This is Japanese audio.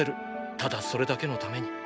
ただそれだけのために！